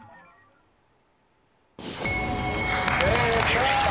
正解！